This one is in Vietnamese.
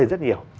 đẹp lên rất nhiều